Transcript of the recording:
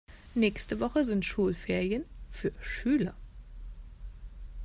Nächste Woche sind Schulferien für Schüler.